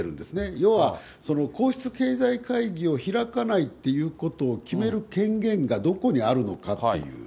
要は皇室経済会議を開かないっていうことを決める権限がどこにあるのかっていう。